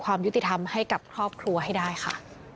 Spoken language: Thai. ความยุติธรรมให้กับครอบครัวให้ได้ค่ะ